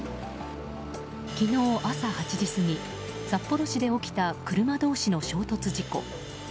昨日朝８時過ぎ、札幌市で起きた車同士の衝突事故。